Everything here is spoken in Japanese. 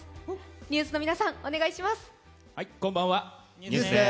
ＮＥＷＳの皆さん、お願いします。